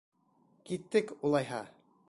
Киттек, улайһа!